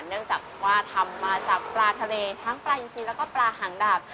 เนื่องจากว่าทำมาจากปลาทะเลทั้งปลาอินซีแล้วก็ปลาหางดาบ